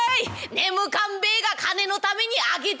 眠かんべえが金のために開けてやれ！」。